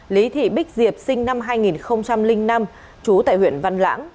lý thị bích diệp sinh năm hai nghìn năm trú tại huyện văn lãng